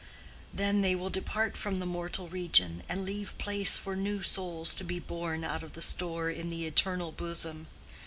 Then they will depart from the mortal region, and leave place for new souls to be born out of the store in the eternal bosom.